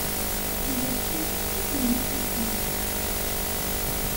Ula d tisin fiḥel ma tusiḍ-d.